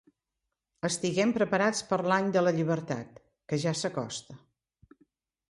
Estiguem preparats per a l’any de la llibertat, que ja s’acosta.